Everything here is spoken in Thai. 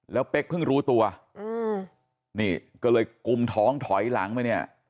แล้วเป๊กเพิ่งรู้ตัวอืมนี่ก็เลยกุมท้องถอยหลังไปเนี่ย